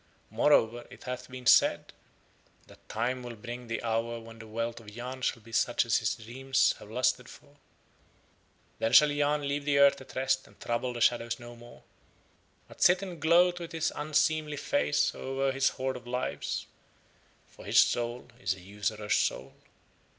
Moreover it hath been said that Time will bring the hour when the wealth of Yahn shall be such as his dreams have lusted for. Then shall Yahn leave the earth at rest and trouble the shadows no more, but sit and gloat with his unseemly face over his hoard of Lives, for his soul is a usurer's soul.